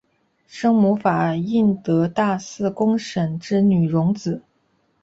生母法印德大寺公审之女荣子。